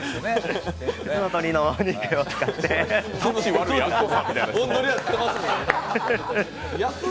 普通の鶏のお肉を使ってます。